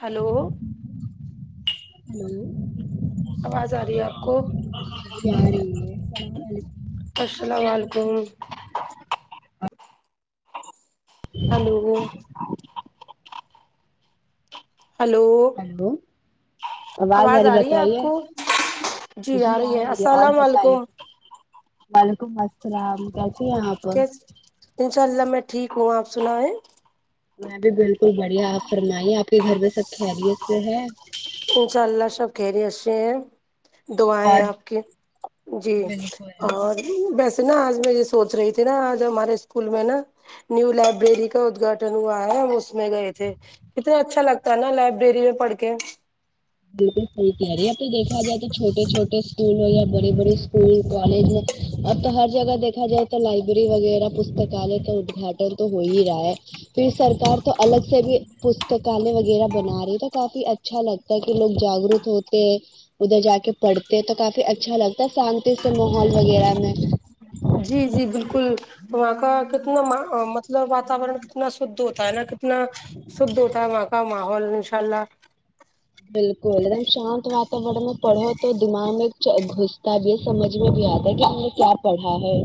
hello hello آواز آ رہی ہے آپ کو جی آ رہی ہے السلام علیکم السلام علیکم ہلو ہلو ہلو آواز آ رہی ہے آپ کو جی آ رہی ہے السلام علیکم وعلیکم السلام ہیں آپ انشاء اللہ میں ٹھیک ہوں آپ سنا ہے میں بھی بالکل بڑھیا آپ فرمائیے آپ کے گھر میں سب خیریت سے ہے انشاء اللہ سب خیریت سے ہیں دعائیں اور آپ کی جی بالکل اور ویسے نا آج میں یہ سوچ رہی تھی نا آج ہمارے اسکول میں نا نیو لائبریری کا ادگھاٹن ہوا ہے ہم اس میں گئے تھے کتنا اچھا لگتا ہے نا لائبریری میں پڑھ کے بالکل صحیح کہ رہی ہے آپی دیکھا جائے تو چھوٹے چھوٹے اسکول ہو یا بڑے بڑے اسکول کالج میں اب تو ہر جگہ دیکھا جائے تو لائبریری وغیرہ پستکالے کا ادگھا ٹن تو ہو ہی رہا ہے پھر سرکار تو الگ سے بھی پستکالیہ وغیرہ بنا رہی تو کافی اچھا لگتا ہے کہ لوگ جاگروک ہوتے ہیں ادھر جا کے پڑھتے تو کافی اچھا لگتا ہے شانتی سے ماحول وغیرہ میں جی جی بالکل وہاں کا کتنا مطلب واتورن کتنا شدھ ہوتا ہے نا کتنا شدھ ہوتا ہے وہا کا ماحول انشاء اللہ بالکل ایک دم شانت واتورن میں پڑھو تو دماغ میں گھستا بھی ہے سمجھ میں بھی آتا ہے کہ ہم نے کیا پڑھا ہے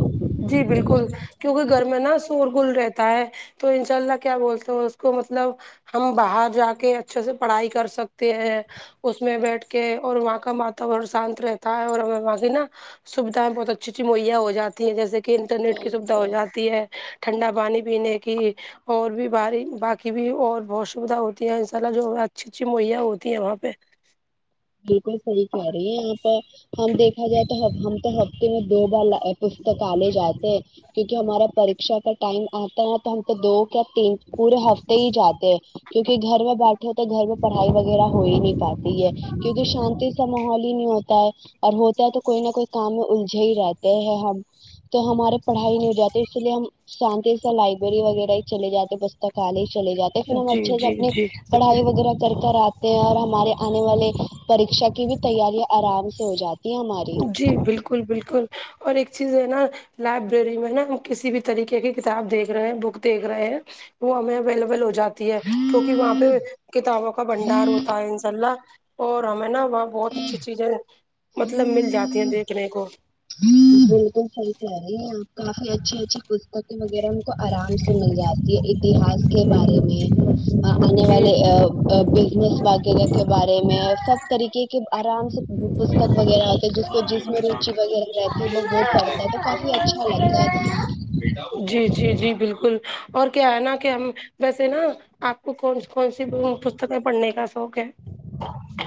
جی بالکل کیونکہ گھر میں نا سور گل رہتا ہے تو انشاء اللہ کیا بولتے ہو اس کو مطلب ہم باہر جا کے اچھے سے پڑھائی کر سکتے ہیں اس میں بیٹھ کے اور وہاں کا واتاورن شانت رہتا ہے اور ہمیں وہاں سے نا سویدھائیں بہت اچھی اچھی مہییا ہو جاتی ہیں جیسے کے انٹرنیٹ کی سویدھا ہو بالکل جات تی ہے ٹھنڈا پانی پینے کی اور بھی باری باقی بھی اور بہت سویدھا ہوتی ہے ان شاء اللہ جو اچھی اچھی مہیا ہوتی ہیں وہاں پہ بالکل صحیح کہہ رہی ہیں آپا ہم دیکھا جائے تو ہم تو دن میں دو بار پستکالے جاتے ہیں کیونکہ ہمارا پرکشا کا ٹائم آتا ہے تو ہم تو دو کیا تین پورے ہفتے ہی جاتے ہیں کیونکہ گھر میں بیٹھے ہو تو گھر میں پڑھائی وغیرہ ہو ہی نہیں پاتی ہے کیونکہ شانتی سا ماحول ہی نہیں ہوتا ہے اور وہ ہوتا ہے تو کوئی نہ کوئی کام میں الجھے ہی رہتے ہیں ہم تو ہمارے پڑھائی ہو جاتی اسی لیے ہم شانتی سے لائبریری وغیرہ ہی چلے جاتے بستا کالے ہی چل جاتے لیکن ہم جی اچھے سے جی اپنی جی پڑھائی وغیرہ کر کر آتے ہیں اور ہمارے آنے والے پریکشا کی بھی تیاریاں آرام سے ہو جاتی ہے ہماری جی بالکل بالکل اور ایک چیز ہے نا لائبریری میں نا ہم کسی بھی طریقے کی کتاب دیکھ رہے ہیں بک دیکھ رہے ہیں وہ ہمیں اویلیبل ہو جات تی ہے کیونکہ وہاں پہ کتابوں کا بنڈار ہوتا ہے انشاء اللہ اور ہمیں نا وہاں بہت اچھی چیزیں مطلب مل جاتی ہیں دیکھنے کو بالکل صحیح کہہ رہی آپ کافی اچھی اچھی پستکیں وغیرہ ہم کو آرام سے مل جاتی ہے اتہاس کے بارے میں آنے جی والے آآ بزنس واقعہ کے بارے میں سب طریقے کے آرام سے پستک وغیرہ ہوتے جس کو جس میں روچی وغیرہ ابہی وہ وہ پڑتا ہے تو کافی اچھا لگتا ہے جی جی جی بالکل اور کیا ہے نا کہ ہم ویسے نا وہ کونسی کونسی پستکیں پڑھنے کا شوق ہے [inaudible]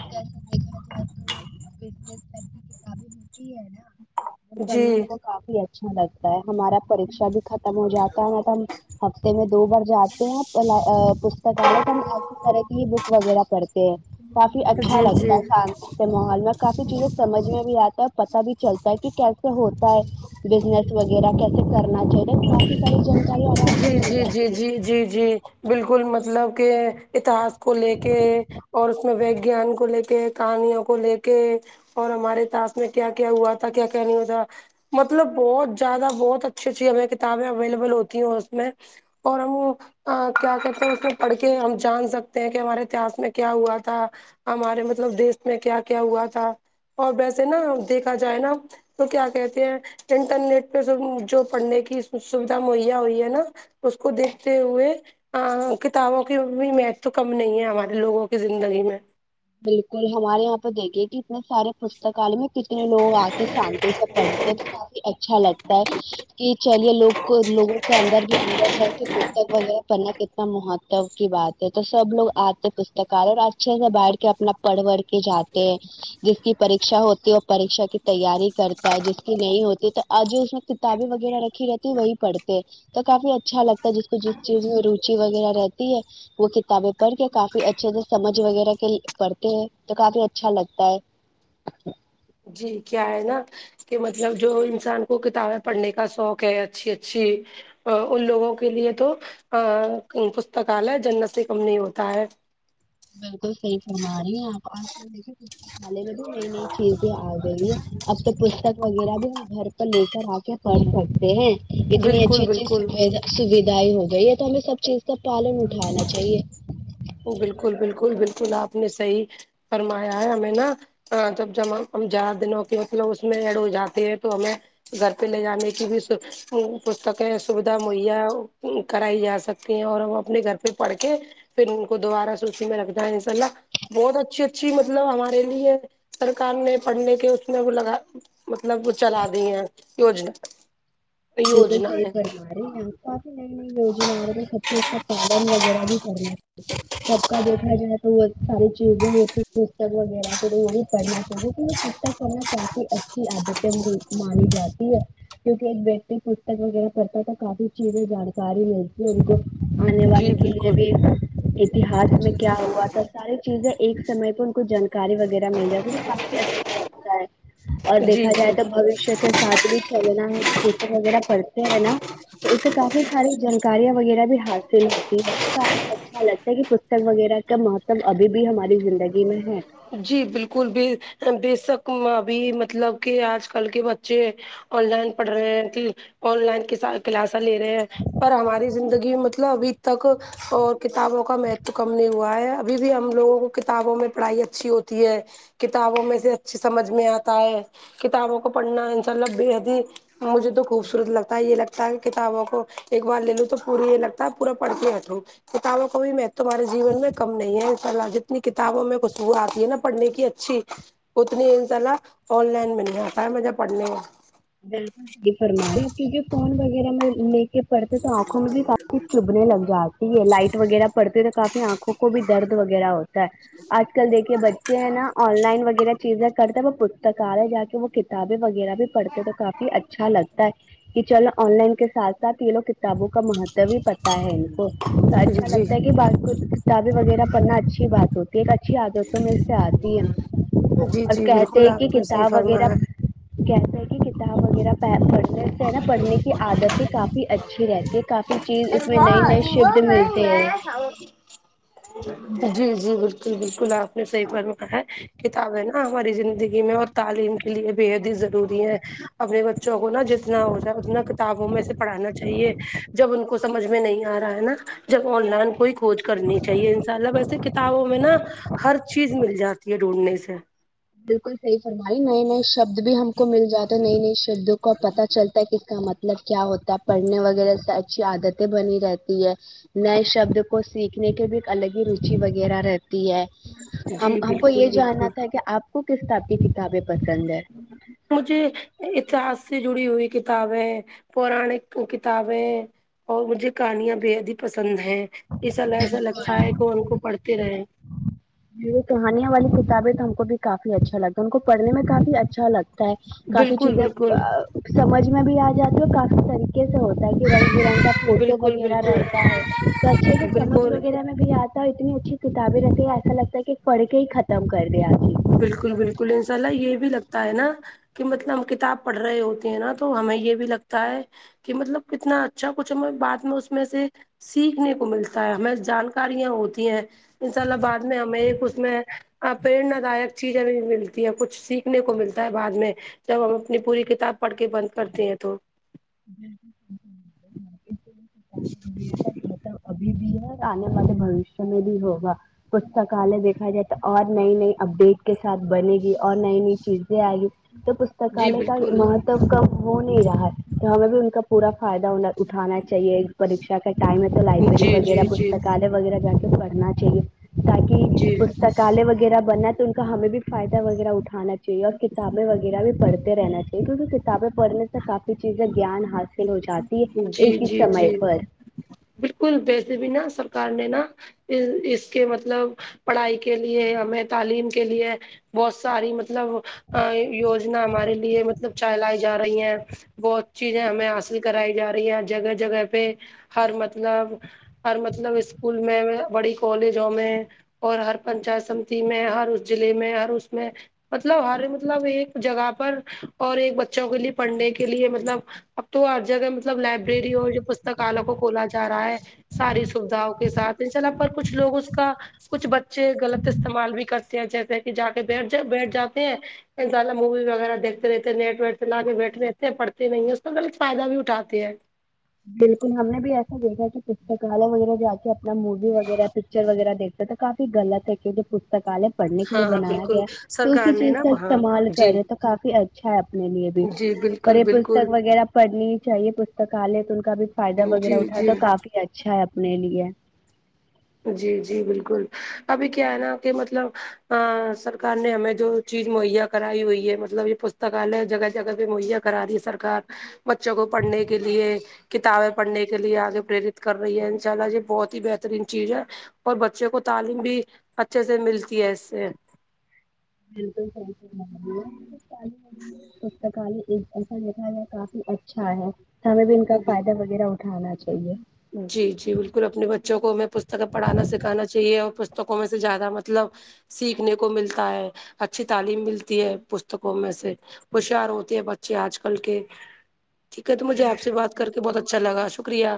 ڈا جی [inaudible] کافی اچھا لگتا ہے ہمارا پرکشا بھی ختم ہو جاتا ہے مطلب ہفتے میں دو بار جاتے ہیں پلا پستکالہ تو ہم اسی طرح کی بک وغیرہ پڑھتے ہیں کافی اچھا جی جی لگتا تھا شانتی سے ماحول میں کافی چیزیں سمجھ میں بھی آتا ہے اور پتا بھی چلتا ہے کی کیسے ہوت تا بزنس وغیرہ کیسے کرنا چاہیے کافی ساری جانکاری آرام جی سے مل جی جی جاتی ہے جی جی جی بالکل مطلب کہ اتہاس کو لے کے اور اس میں وگیان کو لے کے کہانیوں کو لے کے اور ہمارے اتہاس میں کیا کیا ہوا تھا کیا کیا نہیں ہوا تھا مطلب بہت زیادہ بہت اچھی اچھی ہمیں کتابیں اویلیبل ہوتی ہے اس میں اور ہم وہ آں کیا کہتے ہیں اس میں پڑھ کے ہم جان سکتے ہیں کہ ہمارے اتہاس میں کیا ہوا تھا ہمارے مطلب دیس میں کیا کیا ہوا تھا اور ویسے نا دیکھا جائے نا تو کیا کہتے ہیں انٹرنیٹ پہ جو جو پڑھنے کی سویدھا مہیا ہوئی ہے نا اس کو دیکھتے ہوئے آاں کتابوں کی بھی مت تو کم نہیں ہے ہمارے لوگوں کی زندگی میں بالکل ہمارے یہاں پہ دیکھیے کی نے سارے پستکالے میں کتنے لوگ آ کے شانتی سے پڑھتے ہیں تو کافی اچھا لگتا ہے کہ چلیے لوگ کو لوگوں کو اندر بھی اندر ہے کہ پستک وغیرہ پڑھنا کت مہتو کی بات ہے تو سب لوگ آتے پستکال اور اچھے سے بایٹ ٹھ کہ اپنا پڑھ وڑھ کے جاتے ہیں جس کی پریکشا ہوتی ہے وہ پریکشا کی تیاری کرتا ہے جس کی نہیں ہوتی تو آج اس وقت کتابیں وغیرہ رکھی رہتی وہی پڑتے ہے تو کافی اچھا لگتا ہے جس کو جس چیز میں روچی وغیرہ رہتی ہے وہ کتابیں پڑھ کے کافی اچھے سے سمجھ وغیرہ کے کرتے ہیں تو کافی اچھا لگتا ہے جی کیا ہے نا کہ مطلب جو انسان کو کتابیں پڑھنے کا شوق ہے اچھی اچھی ان لوگوں کے لیے تو ا پستکالیہ جنت سے کم نہیں ہوتا ہے بالکل صحیح فرما رہی ہیں آپ آج کل دیکھیے حالے میں بھی نئی نئی چیزیں آ گئی ہے اب تو پستک وغیرہ بھی ہم گھر پر لے کر آ کے کر سکتے ہیں یہتنی اچھی بالکل بالکل اچھی سویدھائیں ہو گئی ہے تو ہمیں سب چیز کا پالن اٹھانا چاہیے بالکل بالکل بالکل آپ نے صحیح فرمایا ہے ہمیں نا ہاں جب جب ہم زار دنوں کے مطلب اس میں ایڈ ہو جاتے ہیں تو ہمیں گھر پہ لے جانے کی بھی پستکیں سویدھا مہیا کرائی جا سکتی اور ہم اپنے گھر پہ پڑھ کے پھر ان کو دوبارہ سوچی میں رکھتا ہے انشاء اللہ بہت اچھی اچھی مطلب ہمارے لیے ہے سرکار نے پڑھنے کے اس میں لگا مطلب وہ چلا دی ہیں یوجنا بالکل یوجنا صحیح ہے فرمایا ارے یہاں تو آپ نئی نئی یوجنا آ رہی تو سب کو اس کا پالن وغیرہ بھی کرنا چاہیے سب کا دیکھا جائے تو وہ ساری چیزیں ہوتی پستک وغیرہ پ تو وہی پڑھنا چاہیے پستک کرنا کافی اچھی عادت ہے مانی جاتی ہے کیونکہ ایک پستک وغیرہ پڑھتا تھا کافی چیزیں جانکاری ملتی ہے ان کو آنے والے جی کے لیے بالکل بھی اتہاس میں کیا جی ہوا تھا سارے چیزیں ایک سمے پہ ان کو جانکاری وغیرہ مل جاتی ہے تو کافی اچھا لگتا ہے اور جی دیکھا جائے جی تو بوشیہ کے ساتھ بھی چلنا ہے تو پوستک وغیرہ پڑھتے ہیں نا تو اس سے کافی ساری جانکاریاں وغیرہ بھی حاصل ہوتی ہے تو کافی اچھا لگتا ہے کہ وغیرہ کا مہتب ابھی بھی ہماری زندگی میں ہے جی بالکل بھی بےشک ابھی مطلب کہ آج کل کے بچے آن لائن پڑھ رہے ہیں آن لائن کلاس لے رہے ہیں پر ہماری زندگی مطلب ابھی تک اور کتابوں کا مہتو کم نہیں ہوا ہے ابھی بھی ہم لوگوں کو کتابوں میں پڑھائی اچھی ہوتی ہے کتابوں میں سے اچھی سمجھ میں آتا ہے کتابوں کو پڑھنا انشاء اللہ بے حد ہی مجھے تو خوبصورت لگتا ہے یہ لگتا ہے کہ کتابوں کو ایک بار لے لوں تو پوری یہ لگتا ہے پورا پڑھ کے ہٹ لوں کتابوں کو بھی مہت تو ہمارے جیون میں کم نہیں ہے ان شاء اللہ جتنی کتابوں میں کچھ وہ آتی ہے نا پڑھنے کی اچھی اتنی انشاء اللہ آن لائن میں نہیں آتا ہے مجھے پڑھنے میں بالکل صحیح فرماے کیونکہ فون وغیرہ میں لے کے پڑھتے تو آکھوں میں بھی چبنے لگ جاتی ہے لائٹ وغیرہ پڑتی تو کافی آنکھوں کو بھی درد وغیرہ ہوتا آج کل دیکھیے بچے ہیں نا آن لائن وغیرہ چیزیں کرتے وہ پ ستکالے جا کے وہ کتابیں وغیرہ بھی پڑھتے ہیں تو کافی اچھا لگتا ہے کہ چلو آن لائن کے ساتھ ساتھ یہ لو کتابوں کا مہتو ہی پتا ہے ان کو تو جی اچھا جی لگتا ہے کہ با کتابیں وغیرہ پڑھنا اچھی بات ہوتی ہے ایک اچھی عادت تو میں سے آتی ہے جی اور جی کہتے بالکل ہیں کہ آپ نے صحیح کتاب وغیرہ فرمایا کہتے ہے کہ کتاب وغیرہ پڑھنے سے ہے نا پڑھنے کی عادتیں کافی اچھی رہتی ہے کافی چیز اس میں نئے نئے شبد ملتے ہیں جی جی بالکل بالکل آپ نے صحیح فرما ہے کتاب ہے نا ہماری زندگی میں اور تعلیم کے لیے بے حد ہی ضروری ہے اپنے بچوں کو نا جتنا ہو ج اتنا کتابوں میں سے پڑھانا چاہیے جب ان کو سمجھ میں نہیں آ رہا ہے نا جب آن لائن کوئی کھوج کرنی چاہیے ان شاء اللہ ویسے کتابوں میں نا ہر چیز مل جاتی ہے ڈھونڈنے سے بالکل صحیح فرمائی نئے نئے شبد بھی ہم کو مل جاتا ہے نئے نئے شبدوں کو پتہ چلتا ہے کہ اس کا مطلب کیا ہوتا ہے پڑھنے وغیرہ سے اچھی عادتیں بنی رہتی ہے نئے شبد کو سیکھنے کے بھی ایک الگ ہی ر وغیرہ رہتی ہے ہم جی ہم کو بالکل یہ جاننا بالکل تھا کہ آپ کو کسب کی کتابیں پسند ہے مجھے اتحاس سے جڑی ہوئی کتابیں پرانک کتابیں اور مجھے کہانیاں بے حد ہی پسند ہیں اس ایسا لگتا ہے کہ وہ ان کو پڑھتے رہے یہ کہانیاں والی کتابیں تو ہم کو بھی کافی اچھا لگتا ہے ان کو پڑنے میں کافی اچھا لگ کف کافی بالکل چیزیں بالکل ا سمجھ میں بھی آ جاتی ہے کافی سے ہوتا ہے کہ رنگ برنگ کا فوٹو بالکل وغیرہ بالکل رہتا ہے تو اچھے تو سمجھ بالکل وغیرہ میں نہیں آپ اتنی اچھی کتابیں رہتی ہیں ایسا لگتا ہے کہ پڑھ کے ہی ختم کر دے اج ہی بالکل بالکل ایسا یہ بھی لگتا ہے نا کہ مطلب کتاب پڑھ رہے ہوتے ہیں نا تو ہمیں یہ بھی لگتا ہے کہ مطلب کتنا اچھا کچھ ہم بعد میں اس میں سے سیکھنے کو ملتا ہے ہمیں جانکاریاں ہوتی ہیں ان شاء اللہ بعد میں ہمیں ایک اس میں اپیر لائق چیزیں بھی ملتی ہے کچھ سیکھنے کو ملتا ہے بعد میں جب ہم اپنی پوری کتاب پڑھ کے بند کرتے ہیں تو [inaudible] کا ملب ابھی بھی ہے آنے والے بھویش میں بھی ہوگا پستکالے دیکھا جائے تو اور نئی نئی اپڈیٹ کے ساتھ بنے گی اور نئی نئی چیزیں آئے گی تو جی پستکالے کا بالکل مات ب کم ہو نہیں رہا ہے تو ہمیں بھی ان کا پورا فائدہ اٹھانا چاہیے پریکشا کا ٹائم ہے تو لائبریری جی جی وغیرہ جی پستکال وغیرہ جا کے پڑھنا چاہیے تاکی کہ جی پستکالے وغیرہ بنا تو کا ہمیں بھی فائدہ وغیرہ اٹھانا چاہیے اور کتابیں وغیرہ بھی پڑتے رہنا چاہیے کیونکہ کتابیں پڑھنے سے کافی کی چیزیں گیان حاصل ہو جاتی ہے جی ایک ہی جی سمے جی پر بالکل ویسے بھی نہ سرکار نے نہ اس کے مطلب پڑھائی کے لیے ہمیں تعلیم کے لیے بہت ساری مطلب یوجنا ہمارے لیے مطلب چلائی جا رہی ہیں بہت چیزیں ہمیں حاصل کرائی جا رہی ہے جگہ جگہ پہ ہر مطلب ہر مطلب اسکول میں بڑی کالجوں میں اور ہر پنچایت سمتی میں ہر اس ضلع میں ہر اس میں مطلب ہر مطلب ایک جگہ پر اور ایک بچوں کے لیے پڑھنے کے لیے مطلب اب تو ہر جگہ مطلب لائبریری اور جو پستکالوں کو کھلا جائے جا رہا ہے ساری سویدھاؤ کے ساتھ ان چلا پر کچھ لوگ اس کا کچھ بچے غلط استعمال بھی کرتے ہیں جیسے کہ جا کے بیھ ج بیٹھ جاتے ہیں انساء اللہ مووی وغیرہ دیکھتے رہتے ہیں نیٹ ویٹ سے ل کے بیٹھے رہتے پڑتے نہیں ہے اس کو غلط فائدہ بھی اٹھاتے ہے بالکل ہم نے بھی ایسا دیکھا کہ پستکالیہ وغیرہ جا کے ن مووی وغیرہ پکچر وغیرہ دیکھتے تو کافی غلط ہے کہ جو پستکالے پڑھنے کے لیے ہاں بنایا بالکل گیا تو سرکار اسی نے چیز نا کا وہاں استعمال جی کر ت کافی اچھا ہے اپنے لیے بھی جی پر بالکل یہ بالکل پستک وغیرہ پڑھنی ہی چاہیے پستکالیہ تو ان کا بھی فائدہ جی وغیرہ اٹھا جی تو کافی اچھا ہے اپنے لیے جی جی بالکل ابھی کیا ہے نا کہ مطلب سرکار نے ہمیں جو چیز مہیا کرائی ہوئی ہے مطلب یہ پستکالیہ جگہ جگہ پہ مہیا کرا رہی ہے سرکار بچوں کو پڑھنے کے لیے کتابیں پڑھنے کے لیے آگے پریرت کر رہی ہے ان شاء اللہ یہ بہت ہی بہترین چیز ہے اور بچے کو تعلیم بھی اچھے سے ملتی ہے اس سے بالکل صحیح فرما رہی ہیں پستکالا [inaudible] اچھا ہے تو ہمیں بھی ان کا بالکل فائدہ وغیرہ اٹھانا چاہیے جی جی بالکل اپنے بچوں کو ہمیں پستکیں پڑھانا سکھانا چاہیے اور پستکوں میں سے زیادہ مطلب سیکھنے کو ملتا ہے اچھی تعلیم ملتی ہے پستکوں میں سے ہوشار ہوتے ہیں بچے اج کل کے ٹھیک ہے تو مجھے اپ سے بات کر کے بہت اچھا لگا شکریہ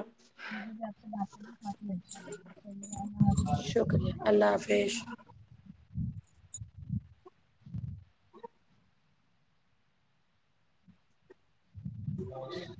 مجھے بھی آپ سے بات کرکے کافی اچھا لگا چلیے اللہ حافظ شکریہ اللہ حافظ [unintelligible]